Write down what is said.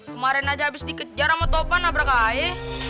kemaren aja abis dikejar sama topan nabrak aya